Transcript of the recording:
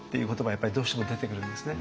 やっぱりどうしても出てくるんですね。